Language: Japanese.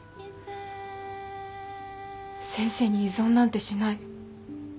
先生に依存なんてしない。